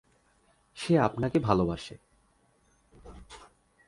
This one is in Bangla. সে আপনাকে ভালোবাসে।